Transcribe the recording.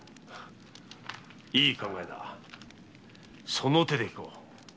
その手でいこう。